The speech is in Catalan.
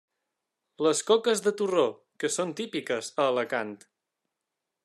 Les coques de torró, que són típiques a Alacant.